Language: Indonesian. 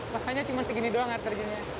makanya cuma segini doang air terjunnya